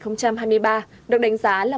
năm hai nghìn hai mươi ba được đánh giá là